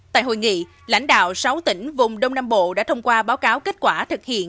tại hội nghị lãnh đạo sáu tỉnh vùng đông nam bộ đã thông qua báo cáo kết quả thực hiện